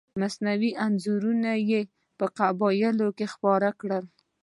مصنوعي انځورونه یې په قبایلو کې خپاره کړل.